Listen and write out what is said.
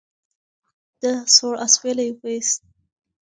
ده سوړ اسویلی وایست.